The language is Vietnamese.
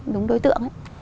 đúng đối tượng ấy